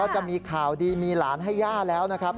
จะมีข่าวดีมีหลานให้ย่าแล้วนะครับ